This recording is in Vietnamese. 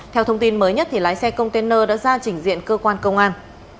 theo thông tin mới nhất lái xe container đã ra chỉnh diện cơ quan công an